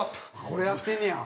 これやってんねや。